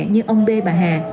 như ông bê bà hà